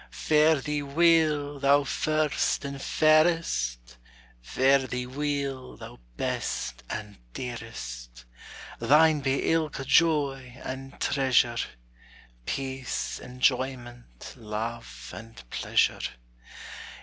Fare thee weel, thou first and fairest! Fare thee weel, thou best and dearest! Thine be ilka joy and treasure, Peace, enjoyment, love, and pleasure!